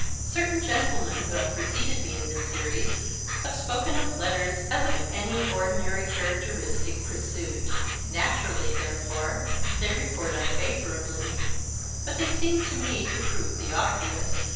Certain gentlemen who have preceded me in this series have spoken of letters as of any ordinary characteristic pursuit. Naturally, therefore, they report unfavourably ; but they seem to me to prove the obvious.